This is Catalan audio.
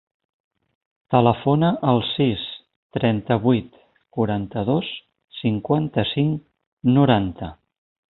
Telefona al sis, trenta-vuit, quaranta-dos, cinquanta-cinc, noranta.